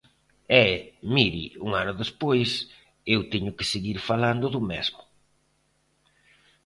E, mire, un ano despois, eu teño que seguir falando do mesmo.